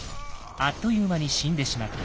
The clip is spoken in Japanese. あっという間に死んでしまった。